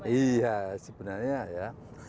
iya sebenarnya ya